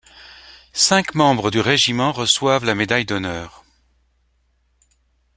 Cinq membres du régiment reçoivent la médaille d'honneur.